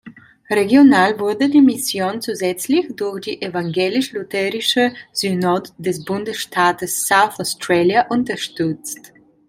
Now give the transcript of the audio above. Regional wurde die Mission zusätzlich durch die Evangelisch-Lutherische Synode des Bundesstaates South Australia unterstützt.